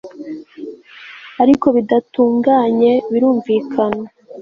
ariko bidatunganye, birumvikana